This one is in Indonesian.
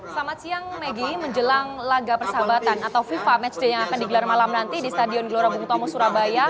selamat siang maggie menjelang laga persahabatan atau fifa matchday yang akan digelar malam nanti di stadion gelora bung tomo surabaya